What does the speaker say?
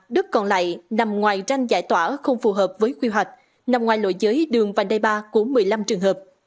đất còn lại nằm ngoài ranh giải tỏa không phù hợp với quy hoạch nằm ngoài lội giới đường vành đai ba của một mươi năm trường hợp